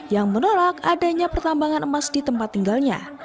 yang menolak adanya pertambangan emas di tempat tinggalnya